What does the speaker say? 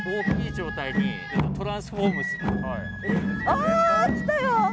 あ来たよ！